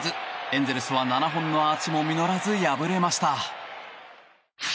エンゼルスは７本のアーチも実らず敗れました。